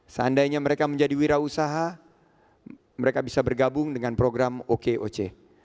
seandainya mereka menjadi wira usaha mereka bisa bergabung dengan program okoc